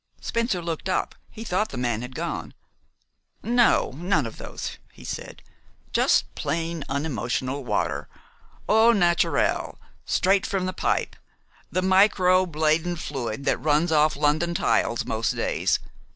Spencer looked up. He thought the man had gone. "No, none of those," he said. "Just plain, unemotional water, eau naturelle, straight from the pipe, the microbe laden fluid that runs off London tiles most days.